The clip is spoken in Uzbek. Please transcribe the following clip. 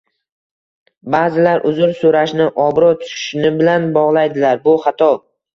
Ba’zilar uzr so'rashni obro' tushishi bilan bog'laydilar, bu xato.